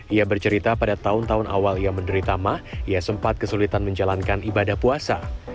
ia bercerita pada tahun tahun awal ia menderita mah ia sempat kesulitan menjalankan ibadah puasa